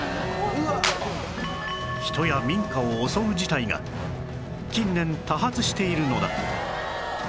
人や民家を襲う事態が近年多発しているのだ